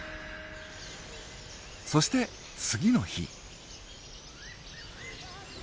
そして次の日。